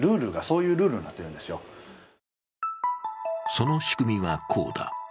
その仕組みは、こうだ。